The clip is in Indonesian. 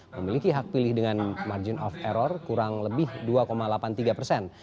memiliki hak pilih dengan margin of error kurang lebih dua delapan puluh tiga persen